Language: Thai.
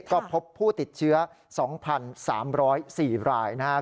ก็พบผู้ติดเชื้อ๒๓๐๔รายนะครับ